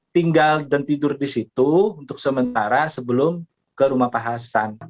tinggal dan tidur di situ untuk sementara sebelum ke rumah pak hasan